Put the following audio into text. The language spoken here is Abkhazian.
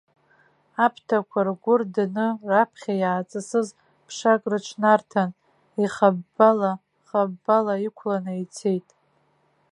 Аԥҭақәа ргәы рданы, раԥхьа иааҵысыз ԥшак рыҽнарҭан, ихаббала-хаббала иқәланы ицеит.